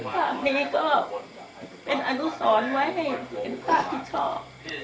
ภาพนี้ก็เป็นอนุสรไว้ให้เป็นภาพที่ชอบ